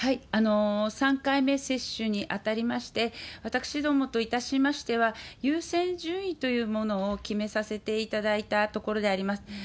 ３回目接種に当たりまして、私どもといたしましては、優先順位というものを決めさせていただいたところであります。